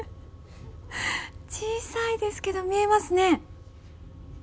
小さいですけど見えますね。